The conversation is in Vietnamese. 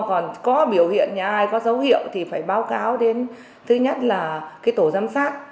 còn có biểu hiện nhà ai có dấu hiệu thì phải báo cáo đến thứ nhất là cái tổ giám sát